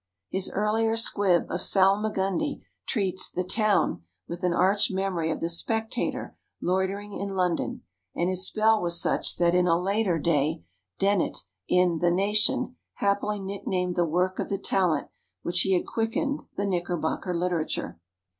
His earlier squib of "Salmagundi" treats "the town" with an arch memory of the Spectator loitering in London, and his spell was such that in a later day Dennett, in the Nation, happily nicknamed the work of the talent which he had quickened the Knickerbocker literature.